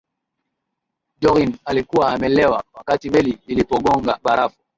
joughin alikuwa amelewa wakati meli ilipogonga barafu